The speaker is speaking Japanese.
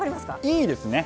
いいですね！